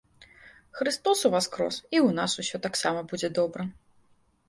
Хрыстос уваскрос, і ў нас усё таксама будзе добра.